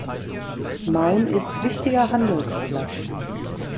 Maun ist wichtiger Handelsplatz.